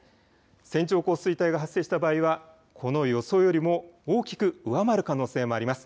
線状降水帯が発生した場合は、この予想よりも大きく上回る可能性もあります。